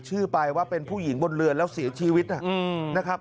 ชื่อปลายว่าเป็นผู้หญิงบนเรือนแล้วสีชีวิตนะครับ